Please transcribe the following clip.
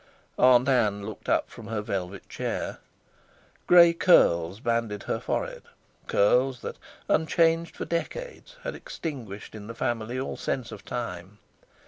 Aunt Ann looked up from her velvet chair. Grey curls banded her forehead, curls that, unchanged for decades, had extinguished in the family all sense of time.